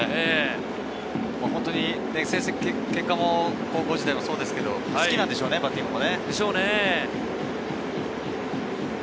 本当に結果も高校時代もそうですけど、好きなんでしょうね、バッティングも。